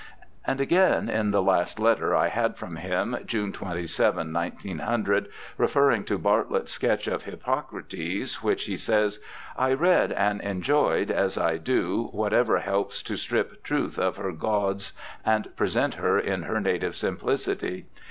And again, in the last letter I had from him, June 27, 1900, referring to Bartlett's sketch of Hippocrates, which he says :* I read and enjoyed, as I do whatever helps to strip Truth of her gauds and present her in her native simplicity.